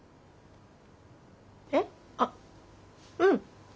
えあっうん。